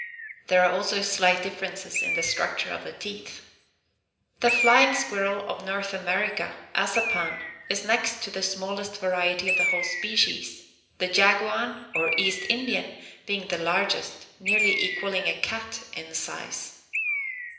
There are also slight differences in the structure of the teeth. The Flying Squirrel of North America, Assapan, is next to the smallest variety of the whole species, the Jaguan, or East Indian, being the largest, nearly equaling a cat in size.